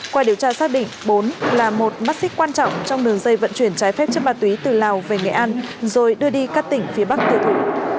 qua điều tra xác định bốn là một mắt xích quan trọng trong đường dây vận chuyển trái phép chất ma túy từ lào về nghệ an rồi đưa đi các tỉnh phía bắc tiêu thụ